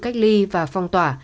cách ly và phong tỏa